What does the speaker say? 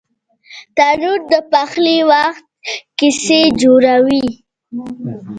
تنور د پخلي وخت کیسې جوړوي